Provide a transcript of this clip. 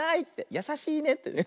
やさしいねって。